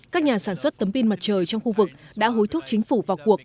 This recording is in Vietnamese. các nhà sản xuất tấm pin mặt trời trong khu vực đã hối thúc chính phủ vào cuộc